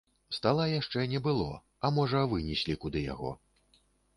Стала яшчэ не было, а можа, вынеслі куды яго.